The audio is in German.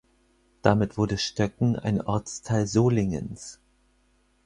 Damit wurde Stöcken ein Ortsteil Solingens.